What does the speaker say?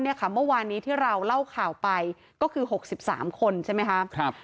เมื่อวานนี้ที่เราเล่าข่าวไปก็คือ๖๓คนใช่ไหมคะ